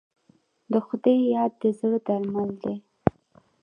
د خدای یاد د زړه درمل دی.